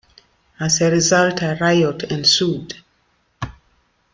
As a result, a riot ensued.